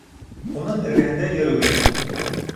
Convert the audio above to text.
Уның эргәһендә йөрөгөҙ.